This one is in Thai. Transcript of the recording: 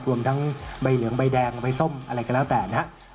รวมทั้งใบเหลืองใบแดงใบส้มอะไรก็แล้วแต่นะครับ